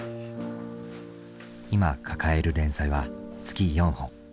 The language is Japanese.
今抱える連載は月４本。